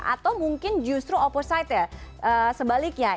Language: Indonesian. atau mungkin justru opposite ya sebaliknya